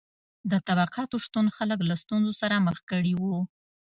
د طبقاتو شتون خلک له ستونزو سره مخ کړي وو.